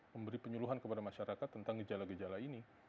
memberi penyuluhan kepada masyarakat tentang gejala gejala ini